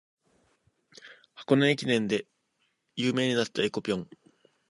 箱根駅伝で有名になった「えこぴょん」